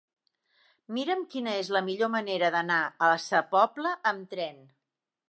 Mira'm quina és la millor manera d'anar a Sa Pobla amb tren.